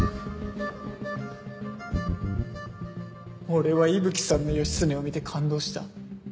俺は伊吹さんの義経を見て感動した。